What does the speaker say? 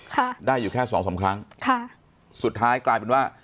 ค่ะได้อยู่แค่สองสามครั้งค่ะสุดท้ายกลายเป็นว่า